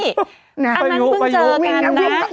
อันนั้นเพิ่งเจอกันนะ